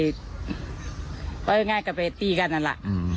เพราะอย่างง่ายก็ไปตีกันแหละ